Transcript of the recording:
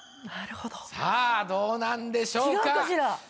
なるほどさあどうなんでしょうか違うかしら？